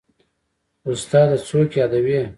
استاده څوک يادوې.